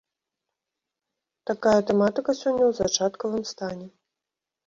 Такая тэматыка сёння ў зачаткавым стане.